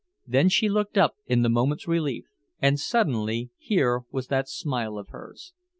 Then she looked up in the moment's relief. And suddenly here was that smile of hers.